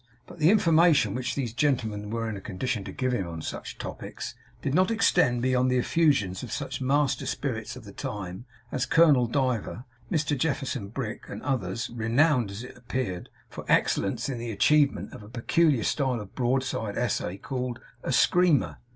But the information which these gentlemen were in a condition to give him on such topics, did not extend beyond the effusions of such master spirits of the time as Colonel Diver, Mr Jefferson Brick, and others; renowned, as it appeared, for excellence in the achievement of a peculiar style of broadside essay called 'a screamer.